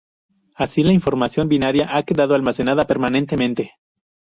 Así la información binaria ha quedado almacenada permanentemente.